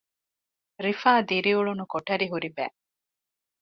ރިފާ ދިރިއުޅުނު ކޮޓަރި ހުރި ބައި